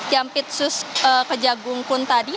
yang pitsus kejagungkun tadi